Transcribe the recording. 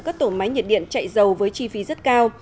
các tổ máy nhiệt điện chạy dầu với chi phí rất cao